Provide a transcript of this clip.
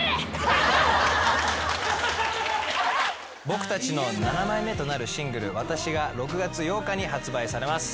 僕たちの７枚目となるシングル『わたし』が６月８日に発売されます。